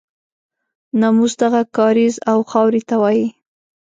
ناموس دغه کاریز او خاورې ته وایي.